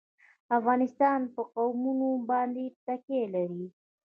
افغانستان په قومونه باندې تکیه لري.